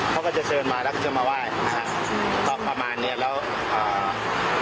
เขาก็จะเชิญมาแล้วก็จะมาไหว้นะฮะก็ประมาณเนี้ยแล้วอ่า